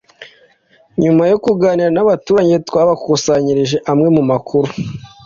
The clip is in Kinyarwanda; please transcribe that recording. Nyuma yo kuganira n’abaturage twabakusanyirije amwe mu makuru